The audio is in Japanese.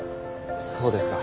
そうですか。